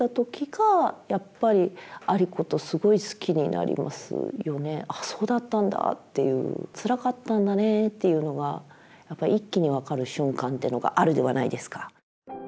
あのねえこうちょっとあっそうだったんだっていうつらかったんだねっていうのが一気に分かる瞬間っていうのがあるではないですか。